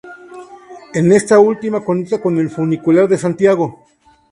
En esta última conecta con el Funicular de Santiago.